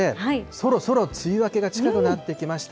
そろそろ梅雨明けが近くなってきました。